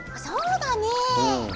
そうだね。